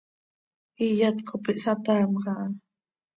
iyat cop ihsataamj aha.